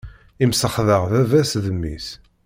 Imsexdeɛ baba-s d mmi-s.